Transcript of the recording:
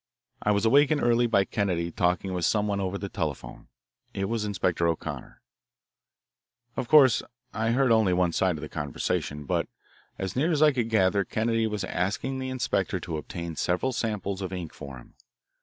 I was awakened early by Kennedy talking with someone over the telephone. It was Inspector O'Connor. Of course I heard only one side of the conversation, but as near as I could gather Kennedy was asking the inspector to obtain several samples of ink for him.